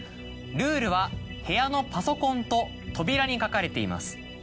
ルールは部屋のパソコンと扉に書かれています。